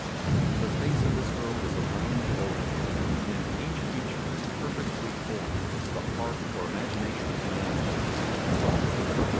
The face of this girl was a rounded oval, and each feature as perfectly formed as the heart or imagination of man could desire.